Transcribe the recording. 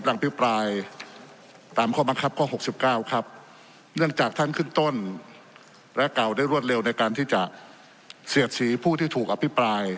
และกล่าวได้รวดเร็วในการที่จะเสียดสีผู้ที่ถูกอภิปราย